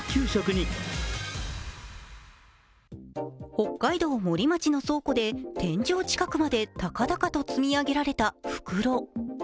北海道森町の倉庫で天井近くまで高々と積み上げられた袋。